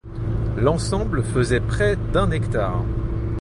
L'ensemble faisait près d'un hectare.